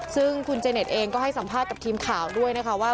ซึ่งคุณเจเน็ตเองก็ให้สัมภาษณ์กับทีมข่าวด้วยนะคะว่า